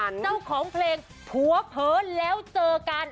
เจ้าของเพลงผัวเผินแล้วเจอกัน